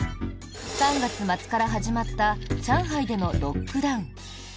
３月末から始まった上海でのロックダウン。